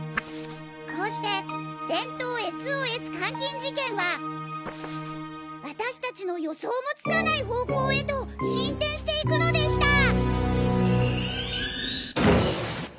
こうして電灯ＳＯＳ監禁事件は私たちの予想もつかない方向へと進展していくのでした！」。